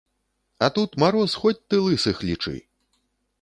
А тут мароз, хоць ты лысых лічы!